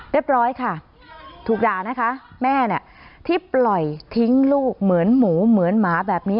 ร้อยค่ะถูกด่านะคะแม่เนี่ยที่ปล่อยทิ้งลูกเหมือนหมูเหมือนหมาแบบนี้